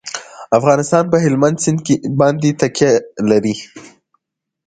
افغانستان په هلمند سیند باندې تکیه لري.